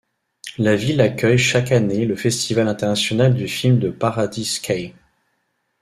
La ville accueille chaque année le Festival international du film de Paradise Cay.